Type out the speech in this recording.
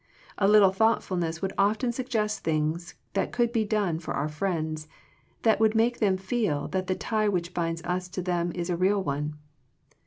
A little thoughtfulness would often suggest things that could be done for our friends, that would make them feel that the tie which binds us to them is a real one.